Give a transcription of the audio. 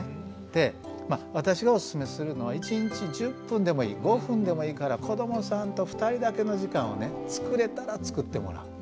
で私がおすすめするのは一日１０分でもいい５分でもいいから子どもさんと２人だけの時間をねつくれたらつくってもらう。